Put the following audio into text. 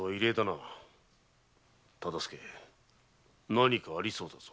何かありそうだぞ。